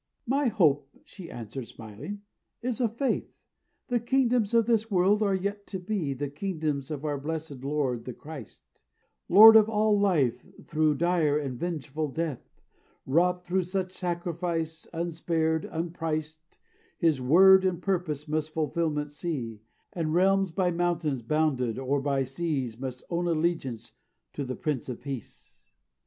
"My hope," she answered, smiling, "is a faith; The kingdoms of this world are yet to be The kingdoms of our blessed Lord, the Christ; Lord of all life thro' dire and vengeful death Wrought thro' such sacrifice, unspared, unpriced, His word and purpose must fulfilment see, And realms by mountains bounded or by seas Must own allegiance to the Prince of Peace.